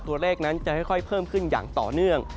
ตัวเลขนั้นจะค่อยเพิ่มขึ้นอย่างต่อเนื่อง